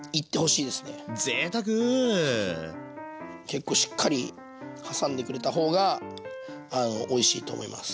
結構しっかり挟んでくれた方がおいしいと思います。